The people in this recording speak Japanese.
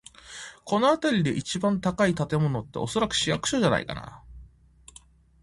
この辺りで一番高い建物って、おそらく市役所じゃないかな。